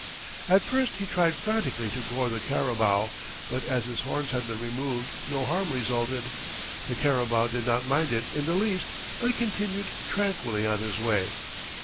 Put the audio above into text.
At first he tried frantically to gore the carabao, but as his horns had been removed no harm resulted. The carabao did not mind it in the least but continued tranquilly on his way.